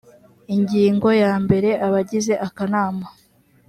ingingo ya mbere abagize akanama